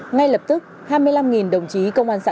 ngay lập tức hai mươi năm đồng chí công an xã